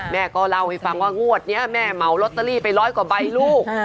แม่ก็เล่าให้ฟังว่างวดนี้แม่เหมาลอตเตอรี่ไปร้อยกว่าใบลูก